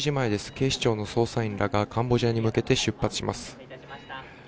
警視庁の捜査員らがカンボジアに向けて出発します。